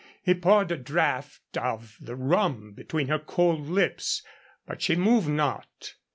He poured a draught of the rum between her cold lips. But she moved not.